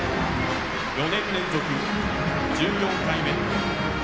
４年連続１４回目。